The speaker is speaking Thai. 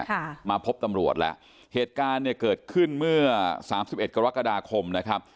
ค่ะมาพบตำรวจแล้วเหตุการณ์เนี่ยเกิดขึ้นเมื่อสามสิบเอ็ดกรกฎาคมนะครับ